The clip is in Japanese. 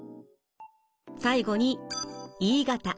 最後にＥ型。